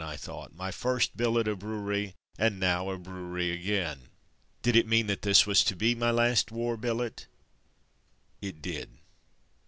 I thought; "my first billet a brewery, and now a brewery again. " Did it mean that this was to be my last war billet.? It did.